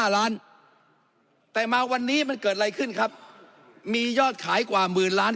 ล้านแต่มาวันนี้มันเกิดอะไรขึ้นครับมียอดขายกว่าหมื่นล้าน